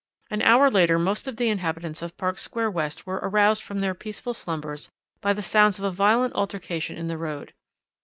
An hour later most of the inhabitants of Park Square West were aroused from their peaceful slumbers by the sounds of a violent altercation in the road.